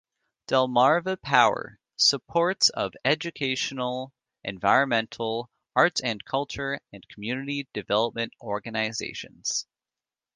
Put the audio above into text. Delmarva Power supports of educational, environmental, arts and culture, and community development organizations.